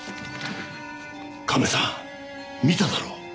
カメさん見ただろう。